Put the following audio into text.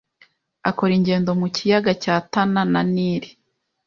akora ingendo mu kiyaga cya Tana na Nili